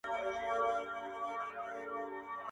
• خو د ننګ خلک دي جنګ ته لمسولي -